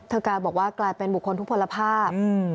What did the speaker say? กลายบอกว่ากลายเป็นบุคคลทุกผลภาพ